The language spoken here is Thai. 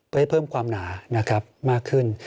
เพื่อให้เพิ่มความหนานะครับมากขึ้น